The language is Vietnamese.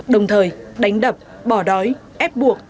đồng thời đánh đập bỏ đói ép buộc